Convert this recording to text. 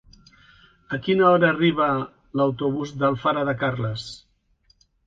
A quina hora arriba l'autobús d'Alfara de Carles?